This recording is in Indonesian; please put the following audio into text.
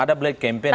ada black campaign